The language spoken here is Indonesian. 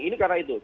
ini karena itu